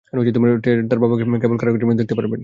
TET তার বাবাকে কেবল কারাগারের পেছনে দেখতে পারবে।